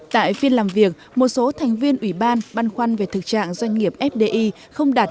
tại phiên làm việc một số thành viên ủy ban băn khoăn về thực trạng doanh nghiệp fdi không đạt